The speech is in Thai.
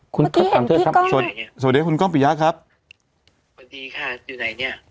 เมื่อกี้เห็นพี่กล้องสวัสดีคุณกล้องปียะครับสวัสดีค่ะอยู่ไหนเนี้ย